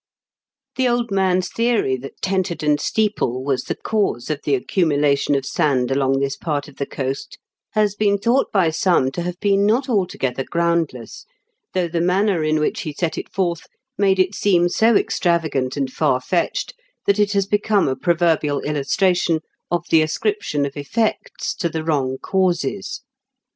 The old man's theory that Tenterden steeple was the cause of the accumulation of sand along this part of the coast has been thought by some to have been not altogether groundless, though the manner in which he set it forth made it seem so extravagant and far fetched that it has become a proverbial illustration of the ascription of effects to the wronfj causes.